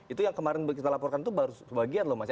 itu yang kemarin kita laporkan itu baru sebagian loh mas ya